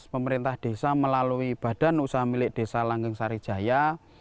pemerintah desa melalui badan usaha milik desa langgeng sarijaya